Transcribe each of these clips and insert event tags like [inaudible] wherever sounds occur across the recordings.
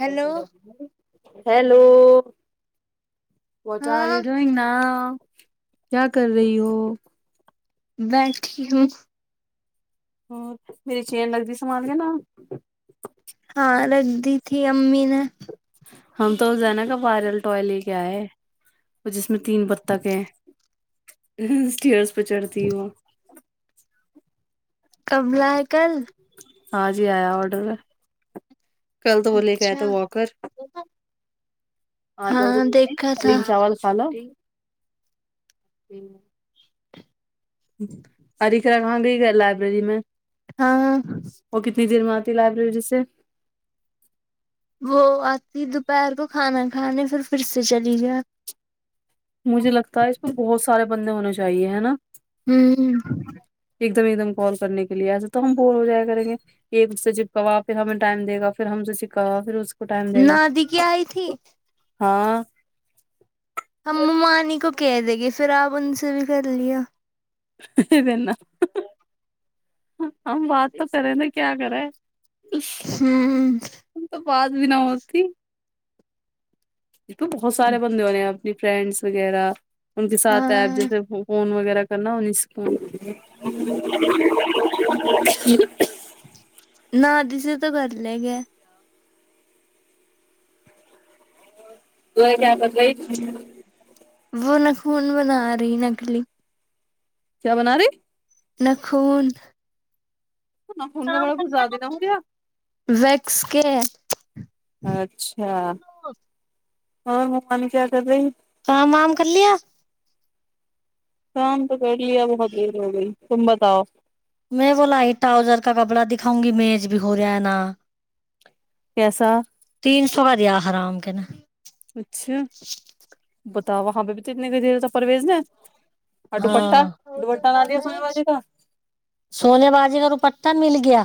hello hello what are ہاں you drawing now کیا کر رہی ہو [unintelligible] اور میری چین لگتی سمال کے نہ ہاں رکھ دی تھی امی نے ہم تو زینہ کا وائرل ٹوائے لے کے آئے ہے وہ جس میں تین بتخ ہے اسٹیئرس پے چڑھتی وہ کب لاے کل آج ہی آیا آڈر کل تو وہ لے کے آئے تھا اچھا واکر ہاں دیکھا تھا [unintelligible] اری [unintelligible] کہا گئی گا لائبریری میں ہاں وہ کتنی دیر میں آتی ہے لائبریری سے وہ آتی دوپہر کو کھانا کھانے فیر فیر سے چلی جا مجھے لگتا ہے اس پر بہت سارے بندے ہونے چاہیے ہے نا ہمم ایک دم ایک دم کال کرنے کے لیے ایسے تو ہم بور ہو جایا کریں گے [unintelligible] کو ٹائم دے گا نادی کی آئی تھی ہاں ہم ممانی کو کہہ دیں گے فیر آپ ان سے بھی کر لیا اتتی دیر نہ ہم بات تو کریں نہ کیا کرے اسے ہوں تو بات بھی نہ ہوتی بہت سارے بندے ہورے ہے اپنی فرینڈس وغیرہ ان کے ساتھ ایپ ہاں جیسے فون وغیرہ کرنا [inaudible] نہ دی سے تو کر لے گے [unintelligible] وہ نخون بنا رہی نکلی کیا بنا رہی ناخون ناخون تو بڑا کچھ زیادہ ہو گیا ویکس کے اچھا اور ممانی کیا کر رہے ہیں کام وام کر لیا شام تو کر لیا بہت دیر ہو گئی تم بتاؤ میں وہ لائ ٹاؤزر کا کپڑا دکھاؤں گی میج بھی ہو رہا ہے نا کیسا تین سو کا دیا حرام کے نے اچھا بتاؤ وہاں پے بھی تو اتنے کا دے رہا تھا پرویز نے اور ڈوپٹہ ہاں ڈوپٹہ نہ دیا سونے والی کا سونے بازی کا دو پٹا مل گیا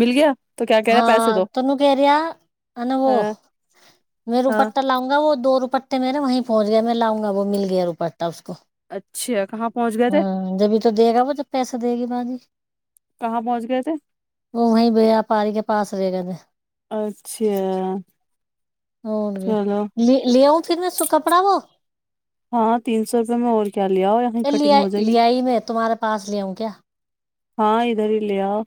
مل گیا تو کیا کہہ رہے پیسے ہاں دو تو ان کہ رہا ا وہ ہاں میں ہاں روپٹا لاؤں گا وہ دو روپٹے میرے وہی پہنچ گیے میں لاؤں گا وہ مل گیا روپٹا اس کو اچھا کہاں پہنچ گئے تھے جب ہی تو دے گا وہ جب پیسہ دے گی باجی کہاں پہنچ گئے تھے وہ وہیں بی پاری کے پاس رہے گئے تھے اچھے آ ہو گیا لے لیاؤں پھر میں سوں کپڑا وہ ہاں تین سو روپئے میں اور کیا لیا ہو یہاں لے کٹنگ ہو جائے گی لے آئی میں تمہارے پاس لے آؤں کیا ہاں ادھر ہی لے اؤ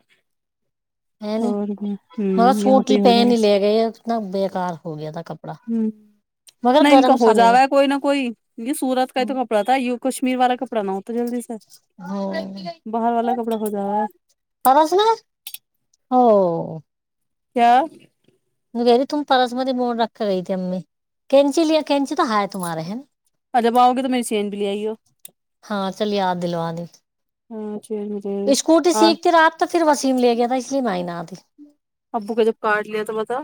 ہے نہیں اور کیا مگر ہوں یہاں سوٹ پہ ہو جائے پہن ہی گا لے گئے اتنا بےکار ہو گیا تھا کپڑ ہمم نہیں ان کا ہو جاوا ہے کوئی نہ کوئی ان سورت کا ہی تو کپ پڑا تھا یو کشمیر والا کپڑا نہ ہوتا جلدی سے ہاں باہر والا کپڑا ہو جاوا ہے پارسنا ہاوں کیا میں کہری تم پرس ریمونٹ رکھ گئی تھی امی کینچی لیا کینچی تو ہے تمہارے ہیں نہ اور جب آؤ گے تو میری چین بھی لے آئی ہو ہاں چل یاد دلوا دے ہاں جی اسکوٹی سیکھ تھی رات تو پھر وسیم لے گیا تھا اس لیے میں نہ آتی ابو کا جب کارڈ لیا تھا بتا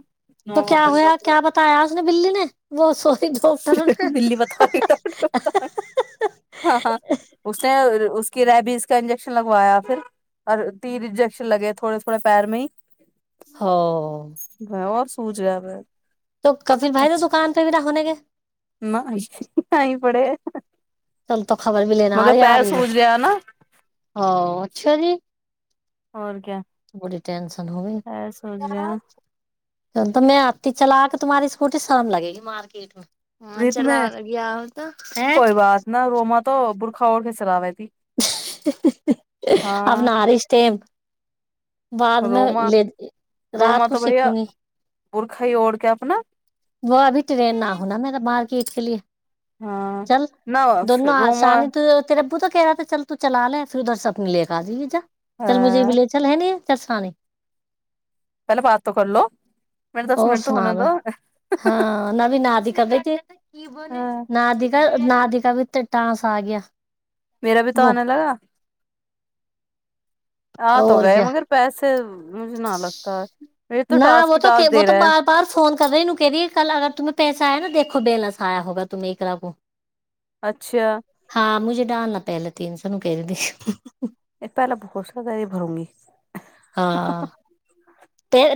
تیاج نے بلی نے وہ سوفی پڑ بلی بتا کر ہاں ہاں اس نے اس کی ریبز کا انجیکشن لگوایا پھر اور تین انجیکشن لگے تھوڑے تھوڑے پیر میں ہی ہاوں اور سوج رہا پیر تو اچھا [unintelligible] [inaudible] کل تک خبر بھی لینا آ مگر رہی آ پیر رہی سوج رہا نا او اچھا جی اور کیا بڑی ٹینشن ہوئی پیر سوج رہا تو میں آتی چلا کے تمہاری اسکوٹی شام لگے گی مارکیٹ میں ہاں رت میں چلا لیا گیا ہو تو ا کوئی بات نہ رووما تو برکھا اڑ کے چلالے تی [unintelligible] بعد میں رووما لے رووما رات کو تو بھیا سیکھوں گی برکھا ہی اوڑ کے اپنا وہ ابھی ٹرین نہ ہونا میرے مارکیٹ کے لیے ہاں چل نہ دونوں روما آسانی تو تے ابو تو کہہ رہا تھا چل تو چلا لے پھر ادھر س اپنے لے کے آ جائیے جا چل مجے بھی لے چلے نہیں چرساانی پہلے بات تو کر لو منٹ دس اور منٹ تو سنا ہونے دو ہاں نین آاد کرب کے بی ناد کاا ناد کاا بھی ت ٹانس آ گیا میرا بھی تو وہ آنے لگا ہاں تو اور گئے کیا مگر پیسے مجھے نہ لگتا ہے یہ تو نہ ٹاسک وہ پہ تو ٹاسک وہ دے تو رہا بات پرار فون کر رہےوں کہہ رہیے کل اگر تمیں پیسہ آیا نا دیکو بلینس آیا ہوگا تمیں ایکرب کو اچھا ہاں مجھے ڈالنا پہلے تین سو میں کہ رہی تھی یہ پہلا بہت سزاری بھروں گی ہاں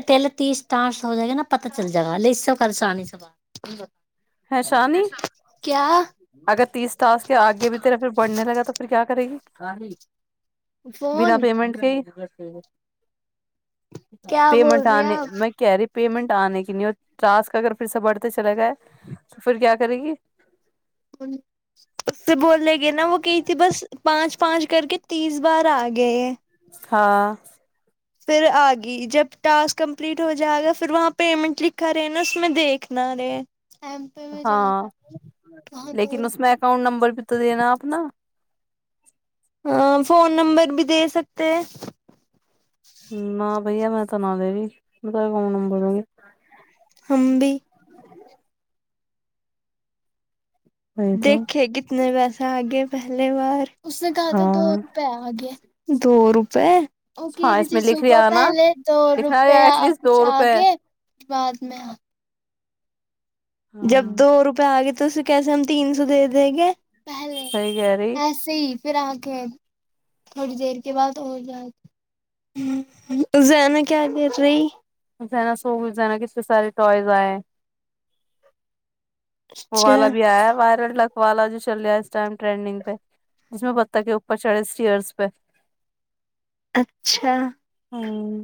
تل تیس اسٹارس ہو جائے گا نا پت چل جائے گا لے اس س پشانی س بات ہے شانی کیا اگر تیس ٹاسک کے آگے بھی تیرا پھر بڑھنے لگا تو پھر کیا کرے گی بنا فون پیمنٹ کے ہی کیا پیمنٹ بول رہے آنے آپ میں کہہ رہی پیمنٹ آنے کی نہیں اور راسک اگر پھر سے بڑھتے چلاے گئے تو پھر کیا کرے گی [unintelligible] اس سے بولنے گے نا وہ کہئی تھی بس پانچ پانچ کر کے تیس بار آ گئے ہاں پھر آگی جب ٹاسک کمپلیٹ ہو جائے گا پھر وہاں پیمنٹ لکھا رہے نا اس میں دیکھنا رہے ام ہاں لیکن اس میں اکاؤنٹ نمبر بھی تو دینا اپنا ہ فون نمبر بھی دے سکتے ہیں نہ بھیا میں تو نہ دے رہی م اکاؤنٹ نمبر دو گی ہم بھی وہی تو دیکھے کتنے پیسے آگئے پہلی بار اس نے کہا تھا دو ہاں روپے آگئے دو روپئے ا ہاں گری اس جی میں لکھ صبح لیا سے نا پہلے دو لکھنا رہے روپیہ ایٹ لیسٹ کچھ دو روپے آگے کے بعد میں جب ہاں دو روپئے آ گئے تو اسے کیسے ہم تین سو دے دیں گے صحیح کہے رہی صحیح پھر آگئے تھوڑی دیر کے بعد اور آگیے [unintelligible] ہ ز نا کیا کر رہی [unintelligible] زناا سو گناا کس کے سارے ٹائز آئے وہ اچھا والا بھی ایا ہے وائرل ڈاک والا جو چل رہا ہے اس ٹائم ٹرینڈنگ پہ جس میں بتتاخے کے اوپر چڑھے اسٹیئرس پہ اچھا ہوں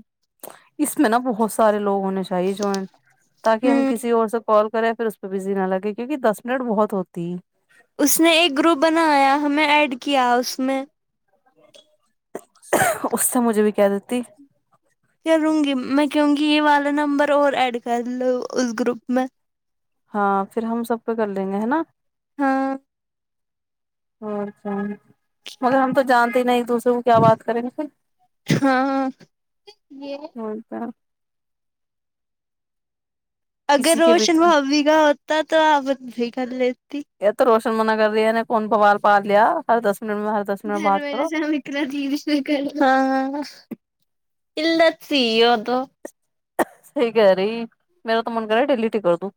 اس میں نا بہت سارے لوگ ہونے چاہیے جوائنٹ تاکہ ہم ہوں کسی اور سے کال کریں پھر اس پہ بزی نہ لگے کیونکہ دس منٹ بہت ہوتی ہے اس نے ایک گروپ بنایا ہمیں ایڈ کیا اس میں اس سے مجھے بھی کہ دیتی کروں گی میں کہوگی یہ والا نمبر اور ایڈ کر لو اس گروپ میں ہاں پھر ہم سب کا کر لیں گے ہے نا ہاں اور شام مگر ہم تو جانتے ہی نا ایک دوسرے کو کیا بات کریں گے پھر ہاں یہ ہوتا اگر کسی کے بھی روشن بھابی کا ہوتا تو آپ بھی کر لیتی یہ تو روشن منع کر رہی ہے ان نے کون بوال پال لیا ہر دس منٹ میں ہ گھر ولاے سام [unintelligible] صحیح کہہ رہی میرا تو من کر رہا ڈیلیٹ ہی کر دو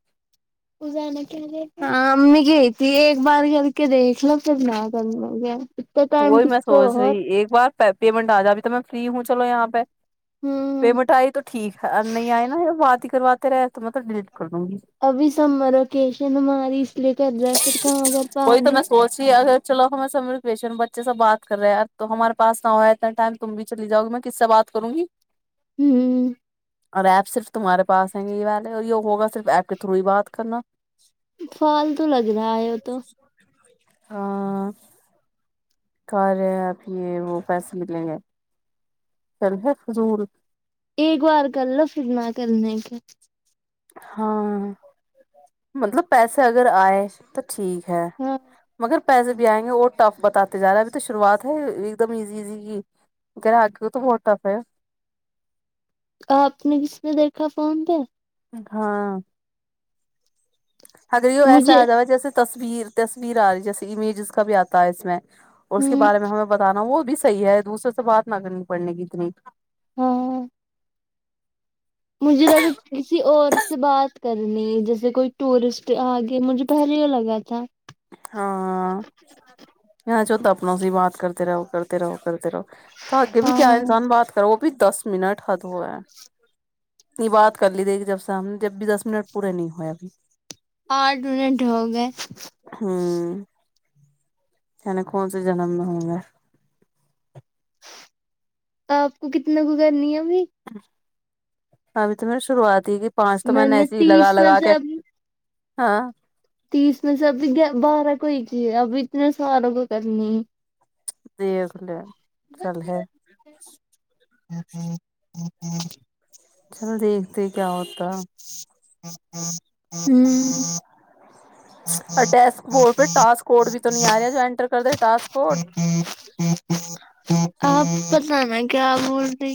پزا نا کہ ہاں امی کہہ تھی ایک بار کر کے دیکھ لو پھر نہ کر لو گیا وہی میں سوچ رہی ایک بار ثا پیمنٹ آ جا اے تو میں فری ہوں چلو یہاں پے ہوں پیمنٹ آئی تو ٹھیک ہے نہیں آئے نا بات ہی کرواتے رہے تو میں تو ڈیلیٹ کردوں گی ابھی سمر وکیشن ہماری اس لیے کر رہا ہے فیر کہاں گر پے آگے [unintelligible] پھر ہم بچے سے بات کر رہے تو ہمارے پاس نہ ہو ہے اتنا ٹائم تم بھی چلی جاؤ گی میں کس سے بات کروں گی ہمم اور ایپ صرف تمہارے پاس ہیں یے والے اور یے ہوگا صرف ایپ کے تھرو ہی بات کرنا فال تو لگ رہا ہے تو ہاں کر اب یہ وہ پیسے ملیں گے کردو فضول ایک بار کر لو پھر نہ کرنے کے ہاں مطلب پیسے اگر آئے تو ٹھیک ہے ہاں مگر پیسے بھی آئیں گے اور ٹف بتاتے جا رہا ہے ابھی تو شروعات ہے ایک دم ایزیزی گرا [unintelligible] ٹاف ہے آپ نے کس نے دیکھا فون پے ہاں اگر ایسا مجھے آ جایگا جیسے تصویر تصویر آ رہی جیسے امیجز کا بھی آتا ہے اس میں اور اس کے ہوں بارے میں ہمیں بتانا وہ بھی صحی ہے دوسرے سے بات نہ کرنی پڑنے گی اتنی ہاں مجھے لگا کسی اور سے بات کرنی جیسے کوئی ٹورسٹ آگ کہ مجھے پہلے یے لگا تھا ہاں یہا جو تو اپنا سے ہی بات کرتے رہو کرتے رہو کرتے رہو تو اگے بھی کیا ہاں انسان بات کرو وہ بھی دس منٹ حد ہوا ہے یے بات کر لی دے گی جب سے ہم جب بھی دس منٹ پورے نہیں ہوئے ابھی اٹھ منٹ ہو گئے ہمم پتا نئی کون سے جنم میں ہوں میں آپ کو کتنا گزارنی ہے ابھی ابھی تو میں نے شروعات ہی کی پانچ تو میں نے ایسی ہی لگا تیس میں لگا سے کے ابھی ہاں تیس میں سے ابھی بارہ کو ہی کیے ابی اتنے ساروں کو کرنی [unintelligible] [unintelligible] چلو دیکھتے کیا ہو آمم ڈیسک بورٹ پے ٹسک کوٹ بھی تو نہیں آ رہا جو ینٹر کر دے ٹسک کوٹ آپ بتلا نا کیا بول رہی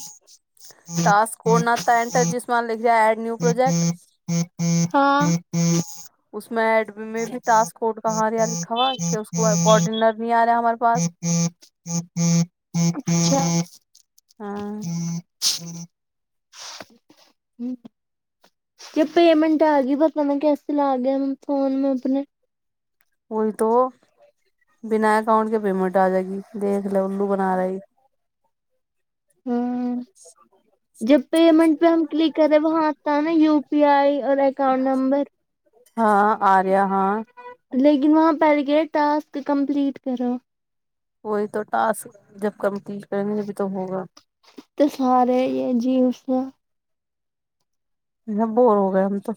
ٹسک کوٹ نا تھا اینڈر جس لکھ جاے ایڈ نیو پروجیکٹ ہاں اس میں ایڈمی میں بھی ٹاسک کوٹ کہا دیا لکھا ہوا کہ اس کو کارڈینر نی یارا ہمارے پاس ہاں ہوں جب پیمنٹ آ گئی بتا میں کیسے لا گین فون میں اپنے وہی تو بنا اکاؤنٹ کے پیمنٹ آ جائے گی دیکھ لے الو بنا رہی آمم ج جب پیمنٹ پے ہم کلک کرے وہاں آتا ہے نا یو پی آئی اور اکاؤنٹ نمبر ہاں اریہ ہاں لیکن وہاں پر گے ٹاسک کمپلیٹ کرو وہی تو ٹاسک جب کمپلیٹ کریں گے جبھی تو ہوگا اتے سارے یہ جیینس نہ جی بور ہو گئے ہم تو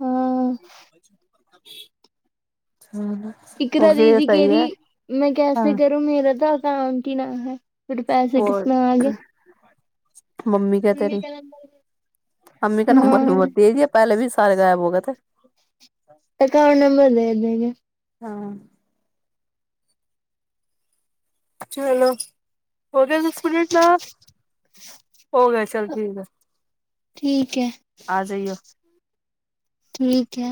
ہاں ہاں اکرا دیدی کہری میں ہاں کیسے کروں میرا تو اکاونٹ ہی نہ ہے پھر پیسے وہ کس میں آگئے ممی کا تری ممی کا ہاں نمبر مر دے دیی پہلے بھی سارے غائب ہو گئے تھ اکاؤنٹ نمبر دے دیں گے ہاں چلو ہو گیا دس منٹ نہ اب ہو گیے چل ٹھیک ہے ٹھیک ہے آ جائیو ٹھیک ہے